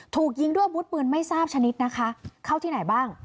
ถูกยิงด้วยอาวุธปืนไม่ทราบชนิดนะคะเข้าที่ไหนบ้าง